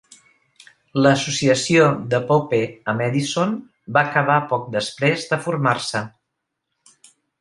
La associació de Pope amb Edison va acabar poc després de formar-se.